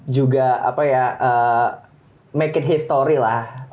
juga apa ya make it history lah